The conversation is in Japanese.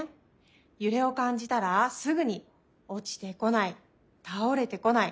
ゆれをかんじたらすぐに「おちてこない」「たおれてこない」